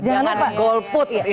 jangan golput istilahnya